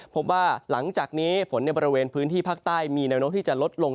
พบว่าหลังจากนี้ฝนในบริเวณพื้นที่ภาคใต้มีแนวโน้มที่จะลดลง